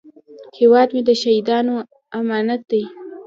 هیواد مې د شهیدانو امانت دی